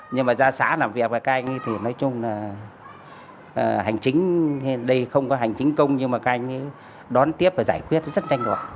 nhưng mà ra xã làm việc thì nói chung là hành chính đây không có hành chính công nhưng mà các anh ấy đón tiếp và giải quyết rất nhanh gọn